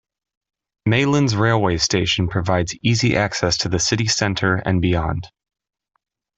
Maylands railway station provides easy access to the City centre and beyond.